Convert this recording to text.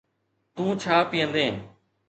تون ڇا پيئندين